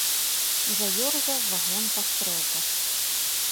Заёрзаў вагон па стрэлках.